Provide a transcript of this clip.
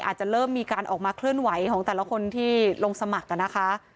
อาจจะเริ่มมีการออกมาเคลื่อนไหวของแต่ละคนที่ลงสมัครนะคะ